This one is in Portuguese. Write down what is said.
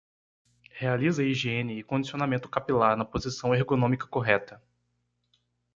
Realiza higiene e condicionamento capilar na posição ergonômica correta.